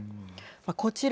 こちら。